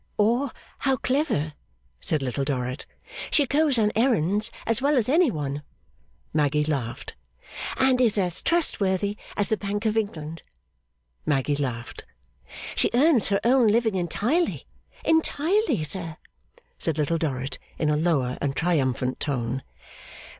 'Or how clever,' said Little Dorrit. 'She goes on errands as well as any one.' Maggy laughed. 'And is as trustworthy as the Bank of England.' Maggy laughed. 'She earns her own living entirely. Entirely, sir!' said Little Dorrit, in a lower and triumphant tone.